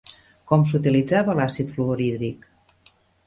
Com s'utilitzava l'àcid fluorhídric?